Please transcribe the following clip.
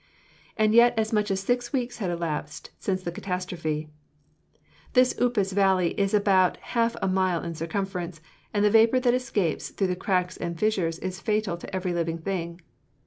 And yet as much as six weeks had elapsed since the catastrophe. This upas valley is about half a mile in circumference, and the vapor that escapes through the cracks and fissures is fatal to every living thing.